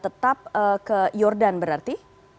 tetap ke jordan berarti